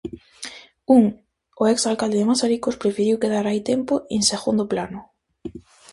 Un, o ex alcalde de Mazaricos, preferiu quedar hai tempo en segundo plano.